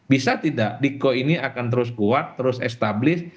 bisa tidak diko ini akan terus kuat terus established